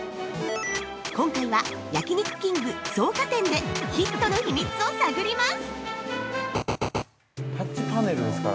今回は、焼肉きんぐ草加店でヒットの秘密を探ります！